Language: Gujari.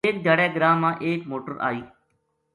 ایک دھیاڑے گراں ما ایک موٹر آئی